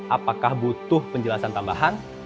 apakah butuh penjelasan tambahan